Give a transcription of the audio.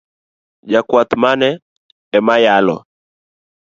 Jakwath mane ema yalo?